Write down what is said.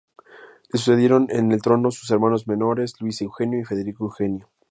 Le sucedieron en el trono sus hermanos menores Luis Eugenio y Federico Eugenio.